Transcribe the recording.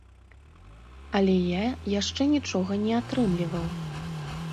Але я яшчэ нічога не атрымліваў.